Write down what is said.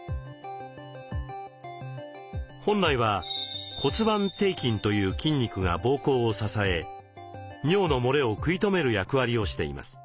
本来は骨盤底筋という筋肉が膀胱を支え尿のもれを食い止める役割をしています。